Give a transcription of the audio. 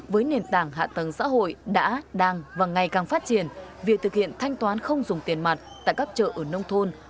với nền tảng hạ tầng xã hội đã đang và ngày càng phát triển việc thực hiện thanh toán không dùng tiền mặt tại các chợ ở nông thôn